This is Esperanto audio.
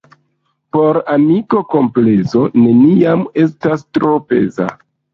Por amiko komplezo neniam estas tro peza.